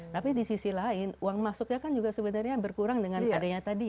tapi di sisi lain uang masuknya kan juga sebenarnya berkurang dengan adanya tadi